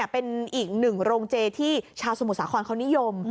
เป็นอีกหนึ่งโรงเจที่ชาวสมุทรสาครเขานิยม